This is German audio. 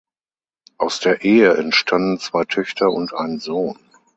Aus der Ehe entstanden zwei Töchter und ein Sohn.